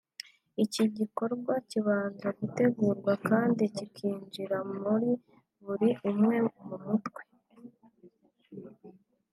iki gikorwa kibanza gutegurwa kandi kikinjira muri buri umwe mu mutwe